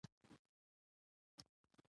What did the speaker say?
ځکه يوې اکادميکې ساحې ته نه پاتې کېده.